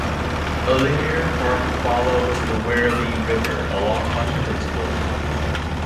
A linear park follows the Werribee River along much of its course.